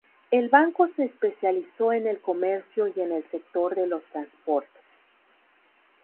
El banco se especializó en el comercio y en el sector de los transportes.